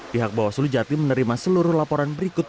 pihak bawah selu jatim menerima seluruh laporan berikut